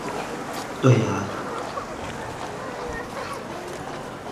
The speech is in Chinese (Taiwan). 對啊